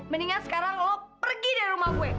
mendingan sekarang lo pergi dari rumah gue